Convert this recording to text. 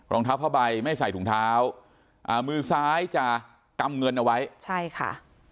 รองเท้าผ้าใบไม่ใส่ถุงเท้าอ่ามือซ้ายจะกำเงินเอาไว้ใช่ค่ะ